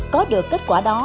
có được kết quả đó